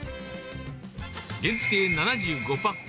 限定７５パック。